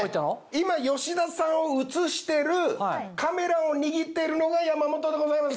今吉田さんを写してるカメラを握っているのが山本でございます。